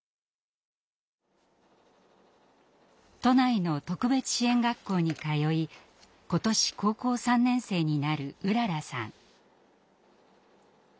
都内の特別支援学校に通い今年高校３年生になるうららさん。